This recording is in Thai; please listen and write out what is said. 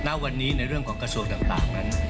จนตอนตอนนี้ในเรื่องของของกระโสงต่างนั้น